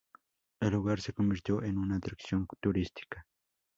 El lugar se convirtió en una atracción turística.